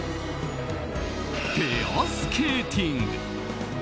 ペアスケーティング！